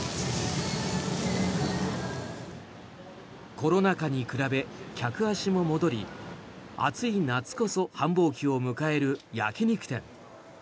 コロナ禍に比べ客足も戻り暑い夏こそ繁忙期を迎える焼き肉店。